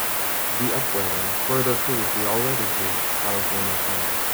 The upwelling further cools the already cool California Current.